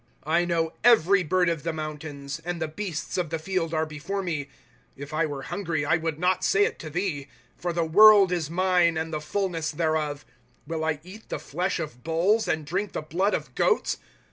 " I know every bird of the mountains, And the beasts of the field are before me. " If I were hungry, I would not say it to thee ; For the world is mine, and the fullness thereof. 13 Will I eat the flesh of bulls. And drink the blood of goats